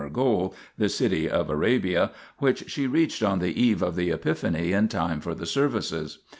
xx INTRODUCTION goal, " the city of Arabia," which she reached on the eve of the Epiphany in time for the services.